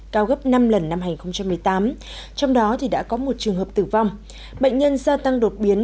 cao gấp năm lần năm hai nghìn một mươi tám trong đó đã có một trường hợp tử vong bệnh nhân gia tăng đột biến